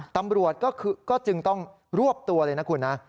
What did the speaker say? ตำรวจก็จึงต้องรวบตัวเลยนะคุณนะ